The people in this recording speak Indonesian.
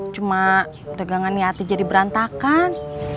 cuma dagangan yati jadi berantakan